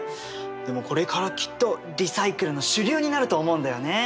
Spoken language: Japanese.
でもこれからきっとリサイクルの主流になると思うんだよね。